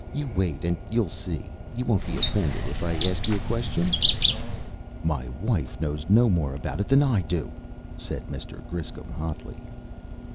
"You wait, and you'll see. You won't be offended if I ask you a question?" "My wife knows no more about it than I do," said Mr. Griscom hotly.